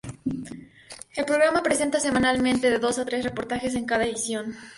El programa presenta semanalmente de dos a tres reportajes en cada edición.